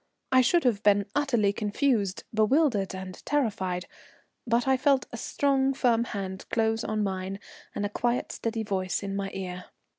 I should have been utterly confused, bewildered, and terrified, but I felt a strong, firm hand close on mine, and a quiet, steady voice in my ear.